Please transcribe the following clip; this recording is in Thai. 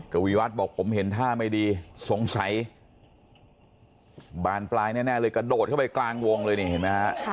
กวีวัฒน์บอกผมเห็นท่าไม่ดีสงสัยบานปลายแน่เลยกระโดดเข้าไปกลางวงเลยนี่เห็นไหมฮะ